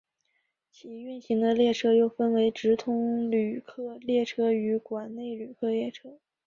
其运行的列车又分为直通旅客列车与管内旅客列车。